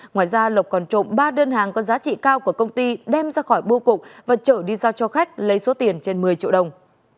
ngoài ra lộc còn trộm ba đơn hàng có giá trị cao của công ty đem ra khỏi bưu cục và trở đi giao cho khách lấy số tiền trên một mươi triệu đồng